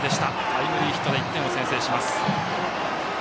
タイムリーヒットで１点を先制します。